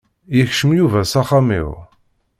Yekcem Yuba s axxam-iw.